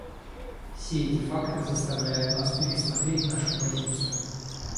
Все эти факты заставляют нас пересмотреть нашу позицию.